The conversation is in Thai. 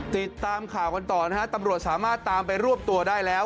ติดตามข่าวกันต่อนะฮะตำรวจสามารถตามไปรวบตัวได้แล้ว